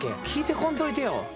聞いてこんといてよ。